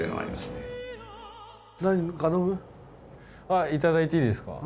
あっ頂いていいですか？